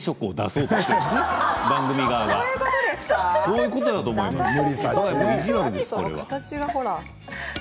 そういうことだと思いますよ。